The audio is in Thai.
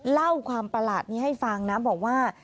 เล่าความประหลาดนี้ให้ฟังนะบอกว่า